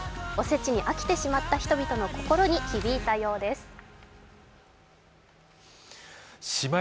お節に飽きてしまった人々の心に響いたようです。